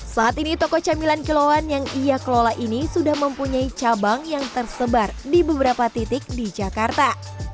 saat ini toko camilan kilauan yang ia kelola ini sudah mempunyai cabang yang tersebar di beberapa titik di jakarta